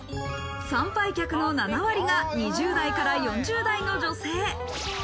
参拝客の７割が２０代４０代の女性。